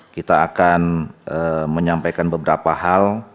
kita akan menyampaikan beberapa hal